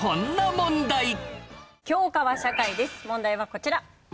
問題はこちら。